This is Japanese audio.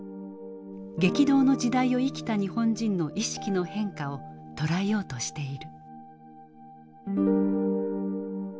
激動の時代を生きた日本人の意識の変化を捉えようとしている。